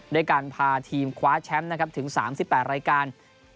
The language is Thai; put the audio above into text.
ได้การพาทีมคว้าแชมป์ถึง๓๘รายการ